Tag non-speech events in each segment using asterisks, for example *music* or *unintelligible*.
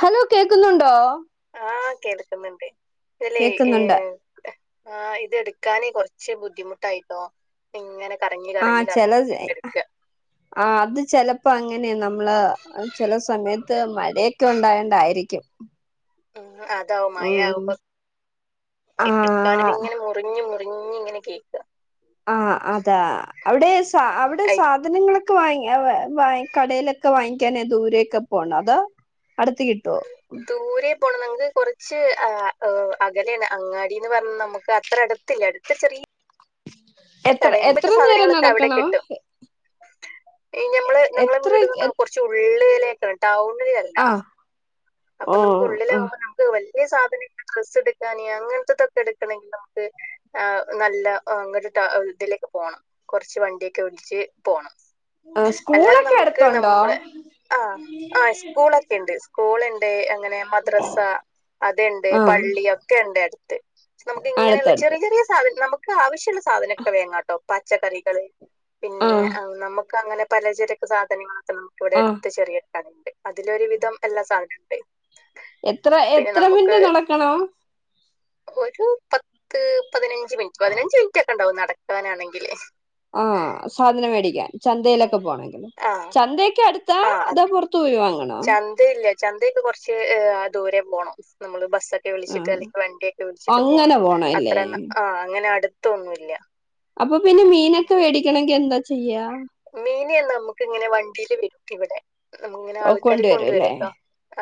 Hello കേക്കുന്നുണ്ടോ? ആഹ് കേൾക്കുന്നുണ്ട് എല്ലേ ഏ കേക്കുന്നുണ്ട് ആഹ് ഇതെടുക്കാന് കൊർച്ച് ബുദ്ധിമുട്ടായിട്ടോ ഇങ്ങനെ കറങ്ങി ആഹ കറങ്ങി കറങ്ങി ചെലത് എ എടുക്ക ആഹ് അത് ചെലപ്പോ അങ്ങനെ നമ് മ്മള് ചില സമയത്ത് മഴയൊക്കെ ഉണ്ടായണ്ടായിരിക്കും ഉം അതാവും മയാകുമ്പോ ആ എക്കാന തിങ്ങനെ മു മുറിഞ്ഞി മുറിഞ്ഞി ഇങ്ങനെ കേക്ക ആ അതാ അവിടെ സ അവിടെ സാ ധനങ്ങളൊക്കെ വാങ്ങി അ വായി കടയിലൊക്കെ വാങ്ങിക്കാന് ദൂരെയൊക്കെ പോണൊ അതോ അടുത്ത് കിട്ടോ ദൂരേ പോണം. നങ്ങക്ക് കുറച്ച് അ.. ഹ്.. അകലേണ്, അങ്ങാടിന്ന് പറഞ്ഞ നമുക്ക് അത്രട ത്തില്ല അടുത്ത് ചെറി എത്ര എത്ര നേരം സാധനങ്ങളൊക്കെ അവിടെ നടക്കണം? കിട്ടും ഈ ഞമ്മള് ഞങ്ങളെ എത്ര വീട്ന്നർഞ്ഞ കുറച്ച് ഉള്ളി ലെക്കാ ടൗണിലെ ല്ലാ. ആ ഓ അപ്പൊ നമുക്ക് ആ ഉള്ളിലാകുമ്പ ന - ക്ക് വല്യ സാധനങ്ങൾ, ഡ്രസ്സ് എടുക്കാന് അങ്ങൻത്തതൊക്കെടുക്കണങ്കിൽ നമുക്ക് ആ നല്ല അങ്ങനട്ട ട്ടിഇതിലൊക്കെ പോണം കൊറച്ച് വണ്ടിയൊക്കെ വിളച്ച് പോണം ആ അല്ലാതെ സ്കൂളൊക്കെ നമുക്ക് അടുത്തുണ്ടോ നമ്മളെ ആഹ് ആഹ് സ്കൂളൊക്കെ ഇണ്ട്. സ്കൂൾ ഇണ്ട്, അങ്ങനെ മദ്രസ അത് ഇണ്ട്, ആ പള്ളി, ഒക്കെ ഇണ്ട് അടുത്ത് നമുക്ക് ഇങ്ങനെയുള്ള അടുത്തടുത്ത് ചെറിയ ചെറിയ സാധനം നമുക് ക്കാവിശ്യുള്ള സാധനൊക്കെ വേങ്ങാട്ടോ. പച്ചക്കറികൾ, ആ പിന്നെ നമുക്ക് അങ്ങനെ പലചരക്ക് സാധനങ്ങളൊക്കെ നമുക്ക് ഇവിടെ ആ എടുത്ത് ചെറിയ കടണ്ട്. അതിലൊരുവിധം എല്ലാ സാധനുണ്ട് എത്ര എത്ര മിൻറ്റ് നടക്കണം ഒരു പത്ത് പതിനഞ്ച് മിനിറ്റ് പതിനഞ്ച് മിൻറ്റൊക്കെണ്ടാവും നടക്കാനാണെങ്കില് ആഹ് സാധനം മേടിക്കാൻ, ചന്തയിലൊക്കെ പോണമെങ്കിൽ, ആഹ് ചന്തയൊക്കെ അടുത്താ അതോ പുറത് ത്തുപോയി വാങ്ങണോ ചന്തയില്ല, ചന്തയൊക്കെ കൊർച് ഹ്.. ആഹ്.. ദൂരെ പോണം നമ്മള് ബസ്സക് ക്കെ വിളിച്ചിട്ട് ആഹ് അല്ലെങ്കി വണ്ടിയൊക്കെ വിളിച്ചിട്ട് അങ്ങനെ പോണം. പോണല്ലേ അത്രയൊ ആ അങ്ങനെ അടുത്തൊന്നുല്യ അപ്പൊ പിന്നെ മീനൊക്കെ വേടിക്കണെങ്കിൽ എന്താ ചെയ്യാ? മീനേ നമുക്ക്ങ്ങനെ വണ്ടീല് വിക്കുവിടെ. നമ ഇങ്ങനെ ഓ ആൾക്കാര് കൊണ്ടുവരും അല്ലേ കൊണ്ടുവരുട്ടോ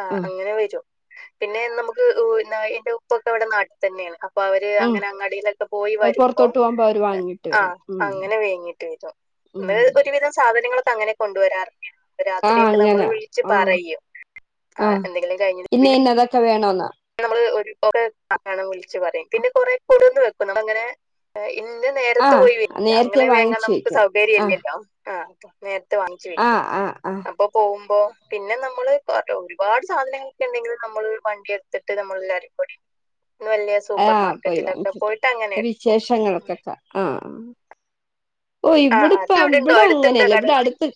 ആഹ് അങ്ങനെ വരും. പിന്നെ നമുക്ക് ഉഹു ന എന്റെ ഉപ്പൊക്കെവടെ നാട്ടി തന്നെയാണ്. പ്പവര് ഉം അങ്ങനെ അങ്ങാടിയിലൊക്ക പോയി അത് വരുമ്പോ, പുറത്തോട്ട് പോകുമ്പോ അവര് വാങ്ങിട്ട് വരും ആഹ് ഉം അങ്ങനെ വേങ്ങിട്ട് വരും. ഉം ന്ന് ഒരുവിധം സാധനങ്ങളൊക്കെ അങ്ങനെ കൊണ്ടുവരാറ് ആഹ് രാത്രിയൊക്കെ നമ്മള് അങ്ങനെ വിളിച്ച് ആഹ് പറയും. ആഹ് എന്തെങ്കിലും കഴിഞ്ട്ട് ഇന്ന പിന്നെ ഇന്നതൊക്കെ വേണോന്ന് നമ്മള് *unintelligible* വിളിച്ച് പറയും പിന്നെ കൊറെ *unintelligible* വെക്കും നമ്മ അങ്ങനെ ഇന്നാ നേരത്ത് ആഹ് പോയി വരില്ല നേരത്തെ അങ്ങനെ വേങ്ങാൻ വാങ്ങിച്ച് നമുക്ക് വെക്കും ആഹ് സൗകര്യല്ലല്ലോ. ആഹ് നേരത്തെ വാങ്ങിച്ചു വെക്കും ആഹ് ആഹ് ആഹ് അപ്പോ പോമ്പോ പിന്നെ നമ്മള് ഒരുപാട് സാധനങ്ങളൊക്കെ ഇണ്ടെങ്കില് നമ്മള് വണ്ടി എടുത്തിട്ട് നമ്മളെല്ലാരും കൂടി വല്യ സൂപ്പർ ആഹ് പോയി മാർക്കറ്റിലൊക്കെ വാങ്ങിച്ചിട്ട് പോയിട്ട് അങ്ങനെ എട്ക്കും വിശേഷങ്ങൾക്കൊക്കെ ആഹ് ഓ ആഹ് ഇവിടെപ്പ അത് അവിടെണ്ടോ ഇവടെ അടുത്തുണ്ടോ അങ്ങനെല്ല ഇവടെ കടകൾ അടുത്ത്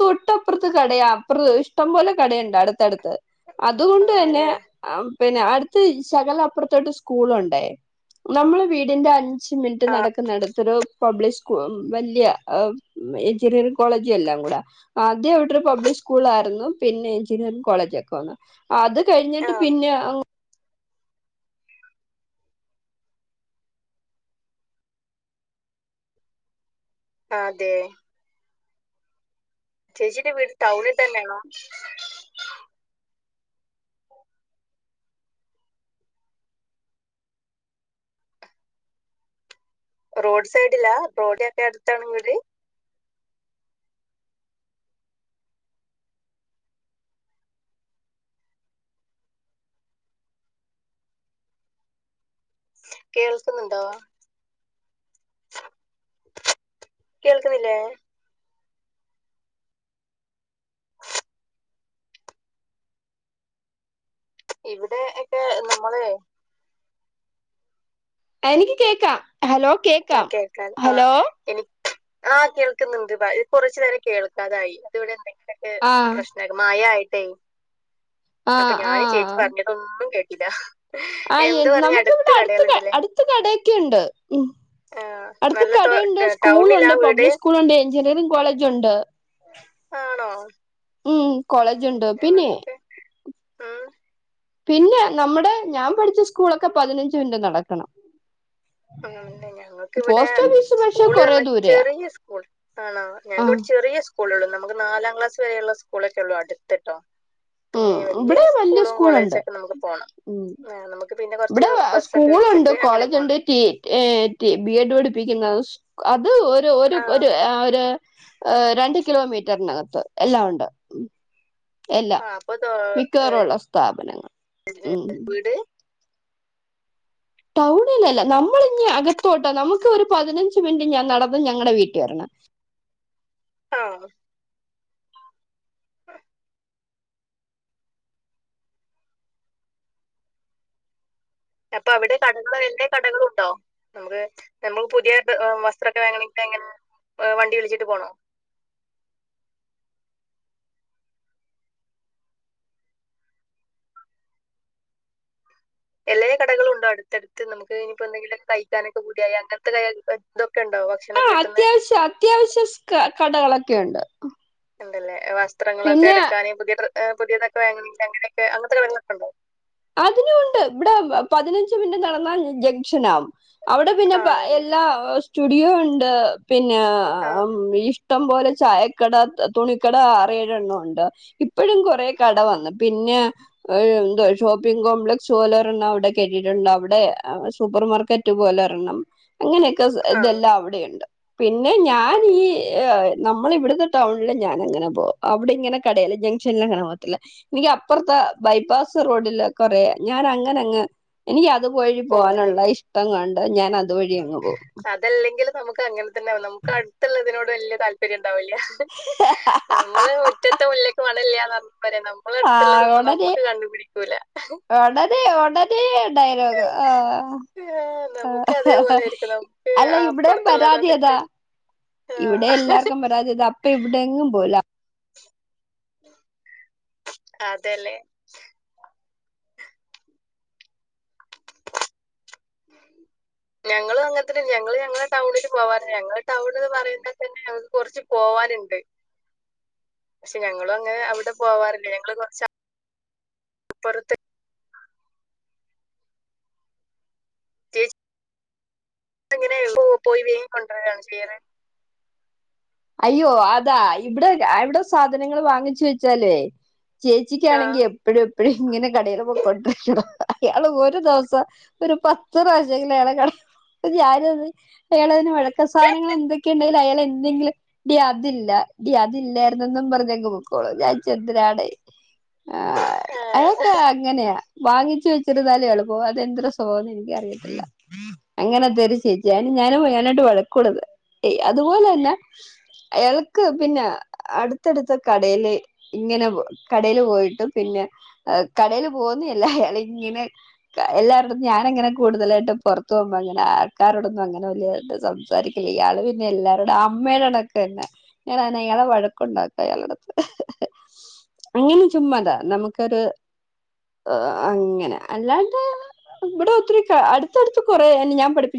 തൊട്ടപ്രത്ത് കടയാ അപൃ ഇഷ്ടം പോലെ കടയൊണ്ട് അടുത്തടുത്ത് അതുകൊണ്ട് തന്നെ ആണല്ലേ ആ പിന്നെ അടുത്ത് ശകല അപ്പുറത്തോട്ട് സ്കൂളുണ്ടേ.. നമ്മള് വീടിന്റെ അഞ് ഞ്ച് മിനിറ്റ് നടക്കുന്നടത്തൊരു പബ്ലിക് സ്കൂ വല്ല്യ ഏഹ് എഞ്ചിനീയറിംഗ് കോളേജു എല്ലാം കൂടെ ആദ്യം അവ്ടൊരു പബ്ലിക് സ്കൂൾ ആരുന്നു പിന്നെ എഞ്ചിനീറിങ് കോളജൊക്കെ വന്നു അത് കഴിഞ്ഞിട്ട് ആഹ് പിന്നെ അങ്ങ് അതെ ചേച്ചിടെ വീട് ടൗണിൽ തന്നെയാണോ? റോഡ് സൈഡിലാ റോഡഒക്കെ അടുത്താണ് വീട് കേൾക്കുന്നുണ്ടോ? കേൾക്കുന്നില്ലേ? ഇവടെ എക്കെ നമ്മളെ എനിക്ക് കേക്കാം ഹലോ കേ കേക്കാം കേക്കാ ആഹ് ഹലോ എനി ആഹ് കേൾക്ക്ന്ന്ണ്ട് കുറച്ചു നേരം കേൾക്കാതായി അത്വ്ടെ എന്തെങ്കിലൊക്കെ ആഹ് പ്രശ് ങ്ങക്ക് മയായിട്ടേ അപ്പോ ആഹ് ഞാന് ചേച്ചി ആഹ് പറഞ്ഞതൊന്നും കേട്ടിലാ ആഹ് നമുക്ക്‌വിടടുത്ത് അടുത്ത് കടയൊക്കെണ്ട് ഉം ആ അടുത്ത് നല്ല കടയൊണ്ട്, ടൗണിലാ സ്കൂളൊണ്ട്, വീട് പബ്ലിക് സ്കൂളൊണ്ട്, എഞ്ചിനീയറിംഗ് കോളേജോണ്ട്. ആണോ? ഉം കോളേജോണ്ട് പിന്നെ ആഹ് പിന്നെ നമ്മടെ ഞാൻ പഠിച്ച സ്കൂളൊക്കെ പതിനഞ്ച് മിൻറ്റ് നടക്കണം. ആഹ് ഞങ്ങക്ക് ഇവടെ പോസ്റ്റ് ഓഫീസ് പക്ഷെ സ്കൂള് കൊറേ പർഞ്ഞാ ദൂരെയാ ചെറിയ സ്കൂൾ ആണോ ആ ഞങ്ങക്ക് വിടെ ചെറിയ സ് കൂളുള്ളൂ നമുക്ക് നാലാം ക്ലാസ് വരെയുള്ള സ്കൂളൊക്കെള്ളൂ അടുത്ത്ട്ടോ പിന്നെ ഉം വല്യ ഇവിടെ സ്കൂളും സ്കൂളുണ്ട് കോളേജോക്കെ നമുക്ക് പോണം ഉം നമുക്ക് പിന്നെ കൊർ ച്ച് ബസ്സൊക്കെ വിളിച്ചിട്ട് അങ്ങനെ പോണം. ഈ ഏഹ് ബി എഡ് പഠിപ്പിക്കുന്ന അത് ഒരു ഒരു ആ ഒര് ആഹ് ഒര് ഏഹ് രണ്ട് കിലോമീറ്ററിനകത്ത് എല്ലാവോണ്ട്. എല്ലാം ആ അപ്പൊ ദോ മിക്കവാറുള്ള സ്ഥാപനങ്ങൾ ഉം വീട് ടൗണിലല്ല നമ്മളിങ്ങു അകത്തോട്ട നമുക്ക് ഒരു പതിനഞ്ച് മിനിറ്റ് ഞാൻ നടന്ന്‌ ഞങ്ങടെ വീട്ടി വരണം. ആഹ് അപ്പോ അവടെ കടകൾ എല്ലാ കടകളുണ്ടോ? നമുക്ക് നമ്മുക്ക് പുതിയ വസ്ത്രൊക്കെ വാങ്ങണെങ്കി എങ്ങനെ വണ്ടി വിളിച്ചിട്ട് പോണോ? എല്ലേ കടകളു ണ്ടോ അടുത്തടുത്ത് നമുക്ക് ഇനിപ്പോ എന്തെങ്കിലും കയിക്കാനൊക്കെ പൂതിയായ അങ്ങനത്തെ ഇതൊക്കെ ഇണ്ടോ ഭക്ഷ് ആഹ് അത്യാവശ്യ അത്യാവശ്യ കടകളക്കെയൊണ്ട് ഉണ്ടല്ലേ വസ്ത്രങ്ങളൊക്കെ എടുക്കാന് പുതിയ പുതിയതൊക്കെ വേങ്ങണെങ്കി അങ്ങനെയൊക്കെ അങ്ങനത്തെ കടകളൊക്കെണ്ടോ അതിനുവോണ്ട് ഇവടെ പതിനഞ്ച് മിനിറ്റ് നടന്നാ ജംഗ്ഷനാ അവടെ പിന്നെ ആണല്ലേ എല്ലാ സ്റ്റുഡിയോ ഒണ്ട് ഏഹ് പിന്നെ ആ ഇ ഷ്ടം പോലെ ചായക്കട തുണിക്കട ആറഴെണ്ണവോണ്ട് ഇപ്പഴും കൊറേ കട വന്ന് പിന്നെ *unintelligible* ഷോപ്പിംഗ് കോംപ്ലക്സ് പോലെ ഒരെണ്ണം അവടെ കെട്ടിട്ടോണ്ട് അവടെ സൂപ്പർ മാർക്കറ്റ് പോലെ ഒരെണ്ണം അങ്ങനെയൊക്കെ ആ ഇതെല്ലാം അവിടെയുണ്ട് പിന്നെ ഞാൻ ആ ഈ നമ്മള ഇവിടത്തെ ടൗണില് ഞാൻ അങ്ങനെ പോകും അവിടെ ഇങ്ങനെ കടേല് ജംഗ്ഷനിൽ അങ്ങനെ പോകത്തില്ല എനിക്ക് അപ്പറത്തെ ബൈപാസ് റോഡില് കൊറെ ഞാൻ അങ്ങനങ്ങ് എനിക്ക് അതു വഴി ഓ അല്ലേ പോവാനുള്ള ഇഷ്ടം കൊണ്ട് ഞാനത് അതു വഴി അങ് പോവും അതല്ലെങ്കിലും നമുക്ക് അങ്ങനെ തന്നെ നമുക്ക് അടുത്തുള്ളതിനോട് വല്യ താല്പര്യം ഉണ്ടാവില്ല നമ്മള് മുറ്റത്തെ മുല്ലക്ക് മണല്ലാന്ന് പറയണ പോലെ നമ്മളെ ആഹ് അടുത്തുള്ളതൊന്നും നമ്മുക്ക് കണ്ണീ പിടിക്കൂല അതെ ഒടനെ ഡയലോഗ് ആഹ് ആഹ് നമുക്ക് ആഹ് അതേപോലെ ആയിരിക്കും നമുക്ക് അല്ല ഇവടേം പരാതിയതാ അപ്പുറത്തുള്ളതോടൊക്കെ ആ ഇവിടെ എല്ലാർക്കും പരാതിയത് അപ്പ ഇവിടെങ്ങും പോവുല അതേലേ ഞങ്ങള് അങ്ങനെ തന്നെ ഞങ്ങള് ഞങ്ങളെ ടൗണിൽ പോവാറില്ല ഞങ്ങളെ ടൗണ് പറയുമ്പ തന്നെ ഞ കൊറച്ച് പോവാനിണ്ട് പക്ഷെ ഞങ്ങളും അങ്ങനെ അവടെ പോവാറില്ല ഞങ്ങള് കൊറച്ച് അപ്പറത്ത് ചേച്ചി എങ്ങനെ പോയി വേങ്ങിക്കൊണ്ടരണോ ചെയ്യണേ അയ്യോ അതാ ഇവിടെ ഇവിടെ സാധനങ്ങൾ വാങ്ങിച്ച് വെച്ചാലേ ചേച്ചിക്കാണെങ്കി എപ്പഴും എപ്പഴും ഇങ്ങനെ കടേൽ പൊക്കോണ്ടിരിക്കണം അയാള് ഒരു ദിവസം ഒരു പത്ത് പ്രാവിശ്യെങ്കിലും അയാള് കട ഞാൻ അത് അയാളതിന് വഴക്ക സാധനങ്ങൾ എന്തൊക്കെണ്ടേലും അയാൾ എന്തെങ്കിലും ടി അതില്ല ടി അതില്ലാർന്നെന്നും പറഞ്ഞങ്ങ് പോക്കോളും ഞാൻ ചോദിച്ച് എന്തിനാടെ ആഹ് ആ അയാക്ക് അങ്ങനെയാ വാങ്ങിച്ചു വെച്ചിരുന്നാലേ എളുപ്പോ അത് എന്തൊരു സൊഭവം ആന്നെന്ന് എനിക്ക് അറിയത്തില്ല അങ്ങനെത്തെരു ചേച്ചിയേ ഞാനും *unintelligible* വഴക്കുടുന്നെ ഏയ്‌ അതുപോലന്നേ ആയാൾക്ക് പിന്ന അടുത്തടുത്ത കടേല് ഇങ്ങനെ കടേൽ പോയിട്ടും പിന്നെ കടേൽ പോവുന്നയല്ല അയാൾ ഇങ്ങനെ എല്ലാരോടും ഞാനങ്ങനെ കൂടുതലായിട്ട് പൊറത്തു പോകുമ്പോ അങ്ങനെ ആൾക്കാരോടൊന്നും അങ്ങനെ വലിയ സംസാ സംസാരിക്കില്ല ഇയാള് പിന്നെ എല്ലാരോടും ആഹ് അമ്മേടെ കണക്കന്നെ ഞാനയാളെ വഴക്കുണ്ടാക്കും അയാളടുത്ത് അങ്ങനെ ചുമ്മാതാ നമുക്കൊരു അങ്ങനെ അല്ലാണ്ട് ഇവിടെ ഒത്തിരി ക അടുത്തടുത്ത് കൊറെ ഞാൻ പഠിപ്പിച്ചു